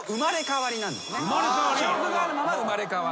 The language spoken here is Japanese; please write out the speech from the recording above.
記憶があるまま生まれ変わって。